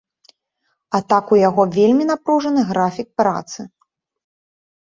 А так у яго вельмі напружаны графік працы.